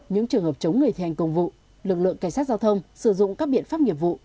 những trường hợp chống người thi hành công vụ lực lượng cảnh sát giao thông sử dụng các biện pháp nghiệp vụ